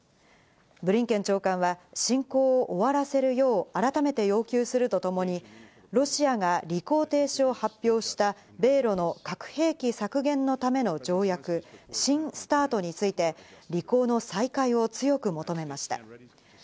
ブリンケン長官は侵攻を終わらせるよう改めて要求するとともに、ロシアが履行停止を発表した米露の核兵器削減のための条約、新ＳＴＡＲＴについて、履行の再開を強く求めました。